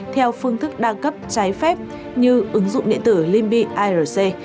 theo phương thức đa cấp trái phép như ứng dụng điện tử limby irc